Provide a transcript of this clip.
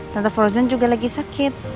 tante frozen juga lagi sakit